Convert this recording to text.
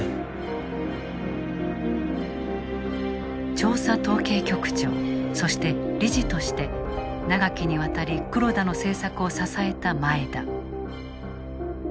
調査統計局長そして理事として長きにわたり黒田の政策を支えた前田。